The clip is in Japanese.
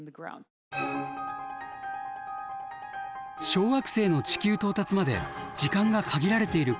小惑星の地球到達まで時間が限られている